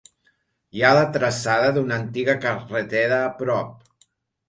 Hi ha la traçada d'una antiga carretera a prop.